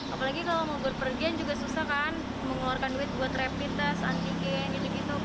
apalagi kalau mau berpergian juga susah kan mengeluarkan duit buat rapid test antigen gitu gitu